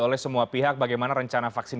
oleh semua pihak bagaimana rencana vaksin